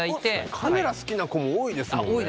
カメラ好きな子も多いですもんね。